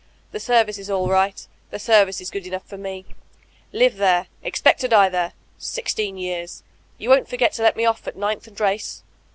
The service is all right The service is good enough for me. Live there. Expect to die there. Sixteen years. You won't forget to let me off at Ninth and Race.